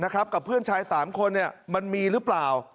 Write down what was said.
กับเพื่อนชาย๓คนมันมีหรือเปล่า